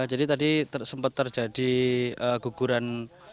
jadi tadi sempat terjadi guguran